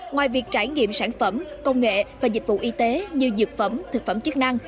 ngoài việc trải nghiệm sản phẩm công nghệ và dịch vụ y tế như dược phẩm thực phẩm chức năng